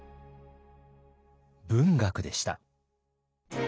文学でした。